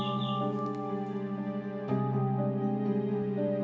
gak ada apa